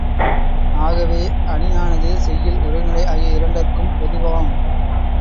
ஆகவே, அணியானது செய்யுள், உரைநடை ஆகிய இரண்டற்கும் பொதுவாம்.